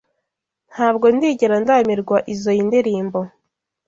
Ntabwo ndigera ndambirwa izoi ndirimbo.